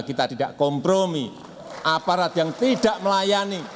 kita tidak kompromi aparat yang tidak melayani